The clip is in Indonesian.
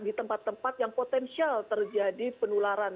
di tempat tempat yang potensial terjadi penularan